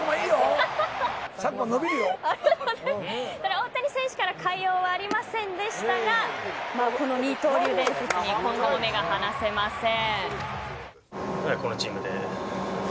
大谷選手から快音はありませんでしたが二刀流伝説に今後も目が離せません。